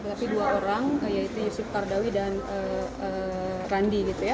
tetapi dua orang yaitu yusuf kardawi dan larandi